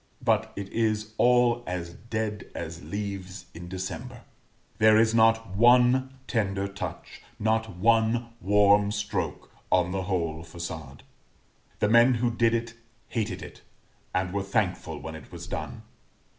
But it is all as dead as leaves in December; there is not one tender touch, not one warm stroke, on the whole façade. The men who did it hated it, and were thankful when it was done.